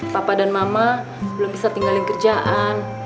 papa dan mama belum bisa tinggalin kerjaan